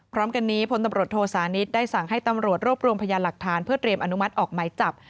พร้อมกันนี้พลตำรวจโทสานิทได้สั่งให้ตำรวจรวบรวมพยานหลักฐานเพื่อเตรียมอนุมัติออกหมายจับ